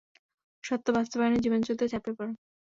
সত্য বাস্তবায়নে জীবনযুদ্ধে ঝাঁপিয়ে পড়।